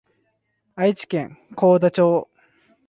愛知県幸田町